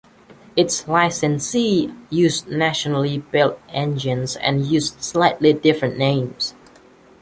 Each licensee used nationally built engines and used slightly different names.